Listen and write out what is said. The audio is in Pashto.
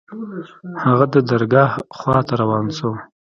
هغه د درګاه خوا ته روان سو.